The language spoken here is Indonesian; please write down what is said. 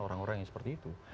orang orang yang seperti itu